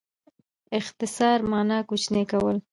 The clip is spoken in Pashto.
اختصار مانا؛ کوچنی کول.